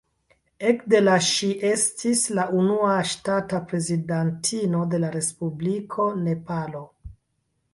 Ekde la ŝi estis la unua ŝtata prezidantino de la respubliko Nepalo.